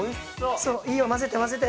いいよ混ぜて混ぜて。